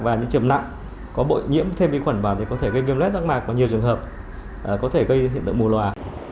và những trầm nặng có bội nhiễm thêm vi khuẩn vào thì có thể gây viêm rác mạc có nhiều trường hợp có thể gây hiện tượng mù lòa